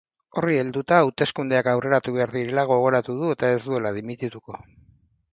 Horri helduta, hauteskundeak aurreratu behar direla gogoratu du eta ez duela dimitituko.